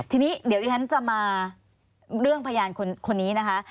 ทีนี้เดี๋ยวที่ฉันจะมาเรื่องพยานคนนี้นะคะ